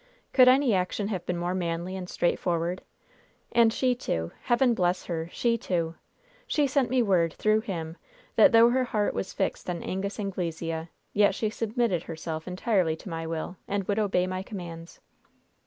Could any action have been more manly and straightforward? And she, too Heaven bless her, she, too! She sent me word, through him, that though her heart was fixed on Angus Anglesea, yet she submitted herself entirely to my will, and would obey my commands.